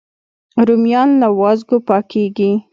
رومیان له وازګو پاکېږي